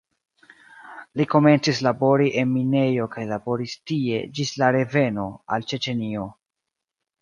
Li komencis labori en minejo kaj laboris tie ĝis la reveno al Ĉeĉenio.